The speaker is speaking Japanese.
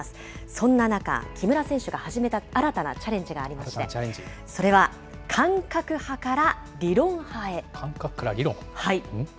そんな中、木村選手が始めた新たなチャレンジがありまして、それ感覚から理論？